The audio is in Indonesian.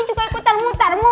mbak mirna tenang